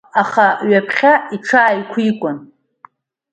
Аха ҩаԥхьа иҽааиқәикуан.